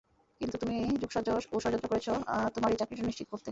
কিন্তু তুমি যোগসাজশ ও যড়যন্ত্র করেছ তোমার এই চাকরিটা নিশ্চিত করতে।